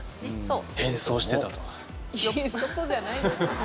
そこじゃないんですよ。